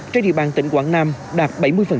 trên địa bàn tỉnh quảng nam đạt bảy mươi